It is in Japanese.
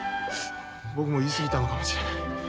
僕も言い過ぎたのかもしれない。